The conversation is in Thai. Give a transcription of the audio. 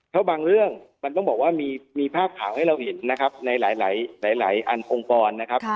เพราะบางเรื่องมันต้องบอกว่ามีภาพข่าวให้เราเห็นนะครับในหลายอันองค์กรนะครับ